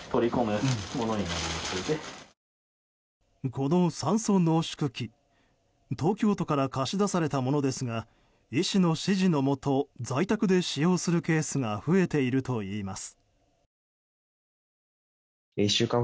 この酸素濃縮器東京都から貸し出されたものですが医師の指示のもと在宅で使用するケースが増えているといいます。